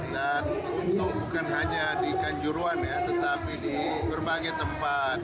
dan untuk bukan hanya di kanjuruan ya tetapi di berbagai tempat